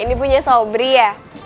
ini punya sobri ya